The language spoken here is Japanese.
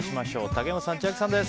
竹山さん、千秋さんです。